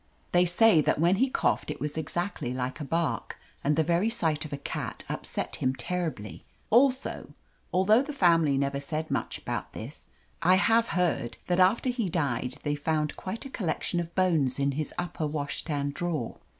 They say that when he coughed it was exactly like a bark, and the very sight of a cat upset him terribly. Also, although the family never said much about this, I have heard' that after he died they found quite a collection of bones in his upper washstand drawer.